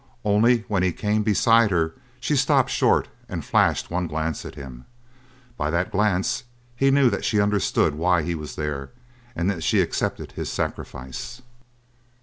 Only, when he came beside her, she stopped short and flashed one glance at him. By that glance he knew that she understood why he was there, and that she accepted his sacrifice.